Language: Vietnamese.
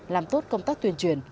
làm tốt công tác tuyên truyền